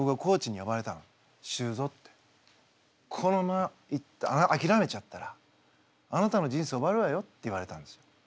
「このままあきらめちゃったらあなたの人生終わるわよ」って言われたんですよ。